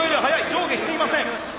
上下していません。